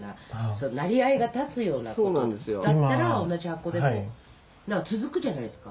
なりわいが立つようなことだったら同じ箱でも続くじゃないですか。